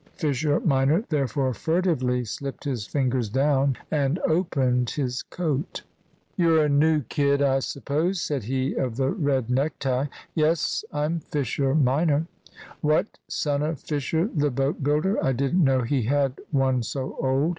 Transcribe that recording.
Fisher minor therefore furtively slipped his fingers down and opened his coat. "You're a new kid, I suppose," said he of the red necktie. "Yes, I'm Fisher minor." "What, son of Fisher the boat builder? I didn't know he had one so old."